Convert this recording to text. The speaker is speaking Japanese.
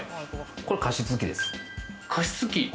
これ加湿器です。